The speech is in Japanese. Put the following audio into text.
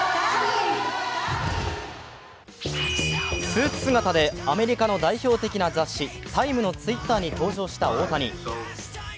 スーツ姿でアメリカの代表的な雑誌「タイム」のＴｗｉｔｔｅｒに登場した大谷。